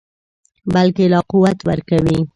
بلکې لا قوت ورکوي.